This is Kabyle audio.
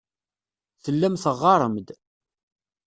Tellam teɣɣarem-d.